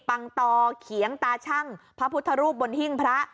ปังตอเขียงตาชั่งพระพุทธรูปบนหิ้งพระ